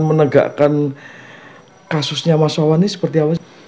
menegakkan kasusnya mas wawani seperti apa